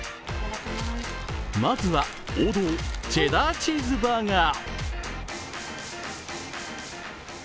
まずは王道、チェダーチーズバーガー。